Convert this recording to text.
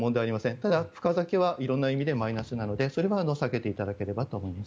ただ、深酒は色んな意味でマイナスなのでそれは避けていただければと思います。